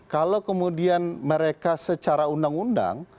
kalau kemudian mereka secara undang undang